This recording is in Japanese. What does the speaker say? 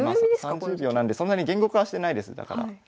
３０秒なんでそんなに言語化はしてないですだから。